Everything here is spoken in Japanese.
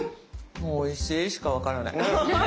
おいしいしかわからない。